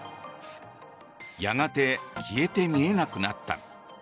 やがて消えて見えなくなった。